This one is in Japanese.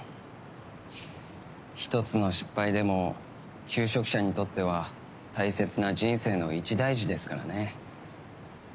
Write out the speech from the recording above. １つの失敗でも求職者にとっては大切な人生の一大事ですからね。